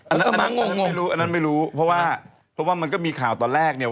อันนั้นงงไม่รู้อันนั้นไม่รู้เพราะว่าเพราะว่ามันก็มีข่าวตอนแรกเนี่ย